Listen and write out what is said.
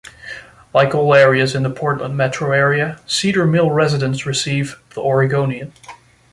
Like all areas in the Portland metro area, Cedar Mill residents receive "The Oregonian".